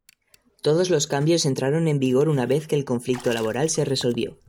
Todos los cambios entraron en vigor una vez que el conflicto laboral se resolvió.